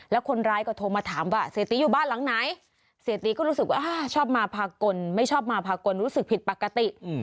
แล้วคนร้ายก็โทรมาถามว่าเสียตีอยู่บ้านหลังไหนเสียตีก็รู้สึกว่าชอบมาพากลไม่ชอบมาพากลรู้สึกผิดปกติ